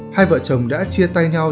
hai vợ chồng đã chia tay nhau